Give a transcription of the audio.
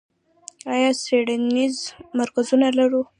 آیا څیړنیز مرکزونه لرو؟